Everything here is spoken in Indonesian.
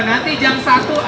nanti jam satu ada